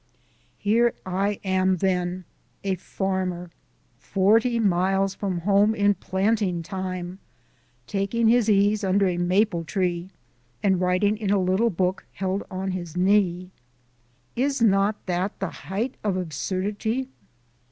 Here I am then, a farmer, forty miles from home in planting time, taking his ease under a maple tree and writing in a little book held on his knee! Is not that the height of absurdity?